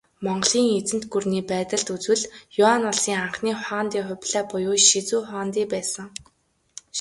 Монголын эзэнт гүрний байдалд үзвэл, Юань улсын анхны хуанди Хубилай буюу Шизү хуанди байсан.